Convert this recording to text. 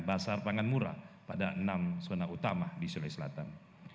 pasar pangan murah pada enam zona utama di sulawesi selatan